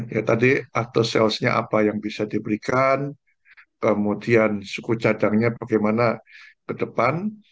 ya tadi atau salesnya apa yang bisa diberikan kemudian suku cadangnya bagaimana ke depan